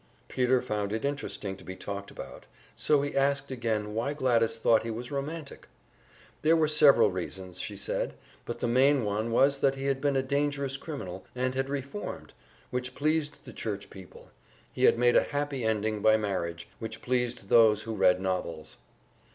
Peter found it interesting to be talked about, so he asked again why Gladys thought he was romantic. There were several reasons, she said, but the main one was that he had been a dangerous criminal, and had reformed, which pleased the church people; he had made a happy ending by marriage, which pleased those who read novels.